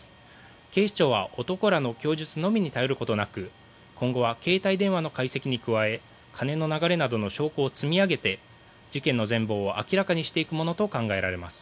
警視庁は男らの供述のみに頼ることなく今後は携帯電話の解析に加え金の流れなどの証拠を積み上げて事件の全ぼうを明らかにしていくものと考えられます。